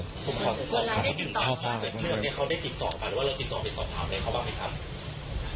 เวลาได้ติดต่อไปกับเครื่องเนี้ยเขาได้ติดต่อไปหรือว่าเราติดต่อไปสอบถามให้เขาบ้างไหมครับ